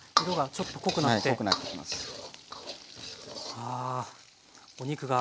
ああお肉が。